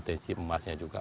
dan juga memiliki emasnya juga